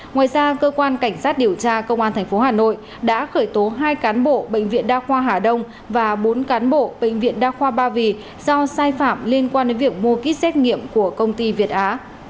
ngoài ra cơ quan cảnh sát điều tra công an tp hà nội đã khởi tố hai cán bộ bệnh viện đa khoa hà đông và bốn cán bộ bệnh viện đa khoa ba vì do sai phạm liên quan đến việc mua kýt xét nghiệm của công ty việt á